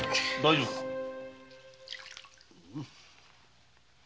大丈夫か？